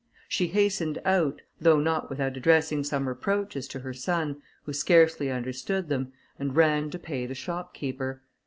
She hastened out, though not without addressing some reproaches to her son, who scarcely understood them, and ran to pay the shopkeeper.